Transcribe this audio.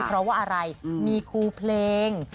เพราะว่าอะไรมีครูเพลง